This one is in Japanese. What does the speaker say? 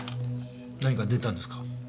何か出たんですか？